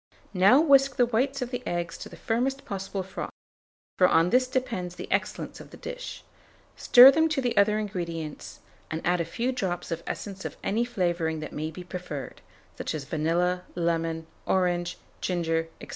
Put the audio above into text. Now whisk the whites of the eggs to the firmest possible froth, for on this depends the excellence of the dish; stir them to the other ingredients, and add a few drops of essence of any flavouring that may be preferred; such as vanilla, lemon, orange, ginger, &c.